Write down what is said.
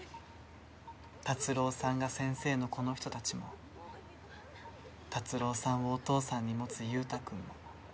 辰郎さんが先生のこの人たちも辰郎さんをお父さんに持つ佑太くんも。